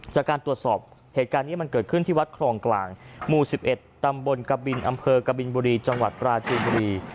จากการตรวจสอบเหตุการณ์นี้มันเกิดขึ้นที่วัดครองกลางหมู่๑๑ตำบลกบินอำเภอกบินบุรีจังหวัดปราจีนบุรี